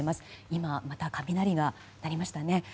今、また雷が鳴りました。